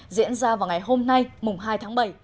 diễn ra vào ngày hôm nay mùng hai tháng bảy